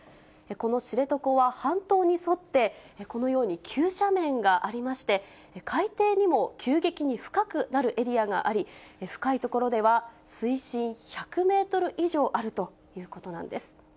この知床は、半島に沿って、このように急斜面がありまして、海底にも急激に深くなるエリアがあり、深い所では、水深１００メートル以上あるということなんです。